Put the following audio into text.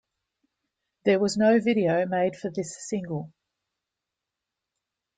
There was no video made for this single.